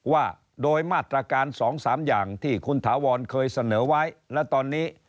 ว่าโดยมาตรการ๒๓อย่างที่คุณถาวรเคยเสนอไว้และตอนนี้